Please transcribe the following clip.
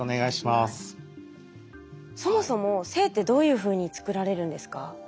そもそも性ってどういうふうに作られるんですか？